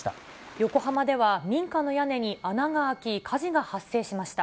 横浜では民家の屋根に穴が開き、火事が発生しました。